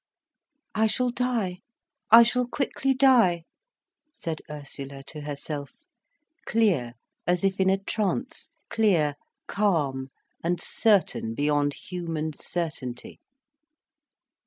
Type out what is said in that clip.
"I shall die—I shall quickly die," said Ursula to herself, clear as if in a trance, clear, calm, and certain beyond human certainty.